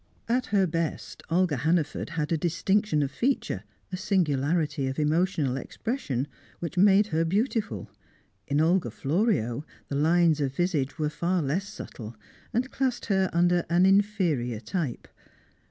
At her best, Olga Hannaford had a distinction of feature, a singularity of emotional expression, which made her beautiful in Olga Florio the lines of visage were far less subtle, and classed her under an inferior type.